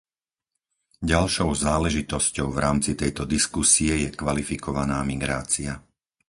Ďalšou záležitosťou v rámci tejto diskusie je kvalifikovaná migrácia.